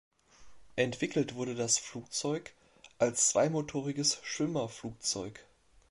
Entwickelt wurde das Flugzeug als zweimotoriges Schwimmerflugzeug.